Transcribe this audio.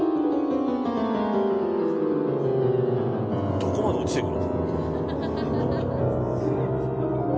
どこまで落ちていくの。